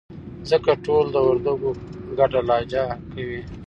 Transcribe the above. ځکه ټول د وردگو گډه لهجه کوي.